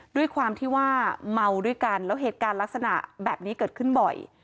ด้วยความที่ว่าเมาด้วยกันแล้วเหตุการณ์ลักษณะแบบนี้เกิดขึ้นบ่อย